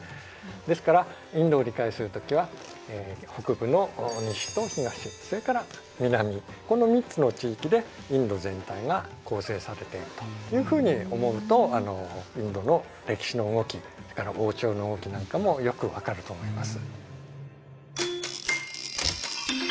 ですからインドを理解する時は北部の西と東それから南この３つの地域でインド全体が構成されているというふうに思うとインドの歴史の動きそれから王朝の動きなんかもよく分かると思います。